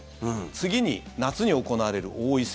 次に夏に行われる王位戦。